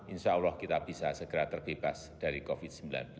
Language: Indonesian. insyaallah kita bisa segera terbebas dari covid sembilan belas